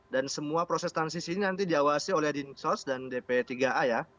dan semua proses transisi ini nanti diawasi oleh din sos dan dp tiga a ya